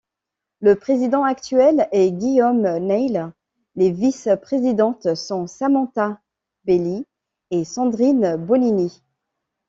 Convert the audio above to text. Le président actuel est Guillaume Nail, les vice-présidentes sont Samantha Bailly et Sandrine Bonini.